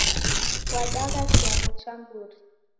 Wadagha chongo cha mburi.